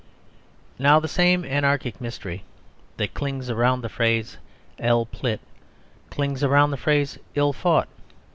Now the same anarchic mystery that clings round the phrase, "il pleut," clings round the phrase, "il faut."